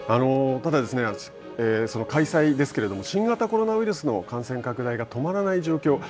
ただ、開催ですけれども新型コロナウイルスの感染拡大が止まらない状況。